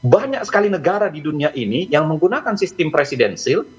banyak sekali negara di dunia ini yang menggunakan sistem presidensil